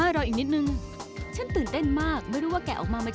ดีมากค่ะระวังวัยนะ